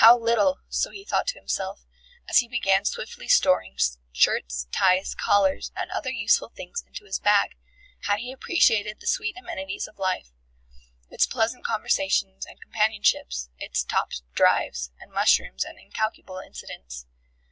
How little, so he thought to himself, as he began swiftly storing shirts, ties, collars and other useful things into his bag, had he appreciated the sweet amenities of life, its pleasant conversations and companionships, its topped drives, and mushrooms and incalculable incidents.